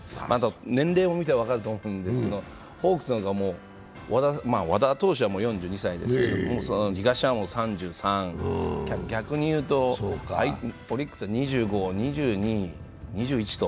年齢を見たら分かると思うんですけど、ホークスの方が、和田投手は４２歳、東浜は３３、逆にいうとオリックスは２５、２２、２１と。